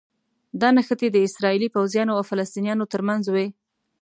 دا نښتې د اسراییلي پوځیانو او فلسطینیانو ترمنځ وي.